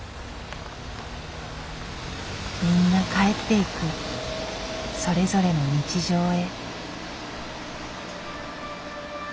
みんな帰っていくそれぞれの日常へ。